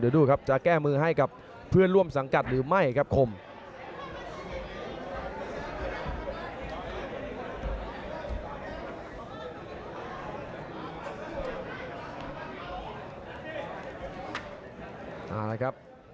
เดี๋ยวดูครับจะแก้มือให้กับเพื่อนร่วมสังกรรมรู้ไม่ครับ